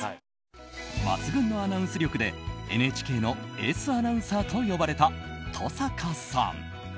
抜群のアナウンス力でＮＨＫのエースアナウンサーと呼ばれた登坂さん。